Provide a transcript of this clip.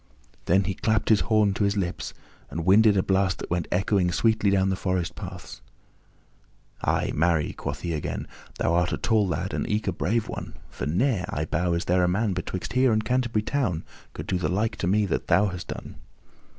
Then he clapped his horn to his lips and winded a blast that went echoing sweetly down the forest paths. "Ay, marry," quoth he again, "thou art a tall lad, and eke a brave one, for ne'er, I bow, is there a man betwixt here and Canterbury Town could do the like to me that thou hast done."